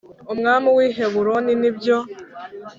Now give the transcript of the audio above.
umwami w i Heburoni nibyo